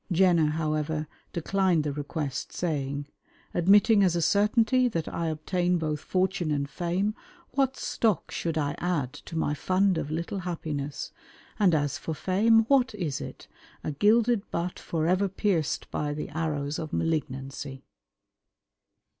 Jenner, however, declined the request, saying, "Admitting as a certainty that I obtain both fortune and fame, what stock should I add to my fund of little happiness? And as for fame, what is it? A gilded butt forever pierced by the arrows of malignancy."